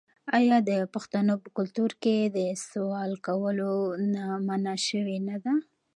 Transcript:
آیا د پښتنو په کلتور کې د سوال کولو نه منع شوې نه ده؟